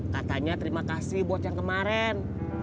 katanya terima kasih buat yang kemarin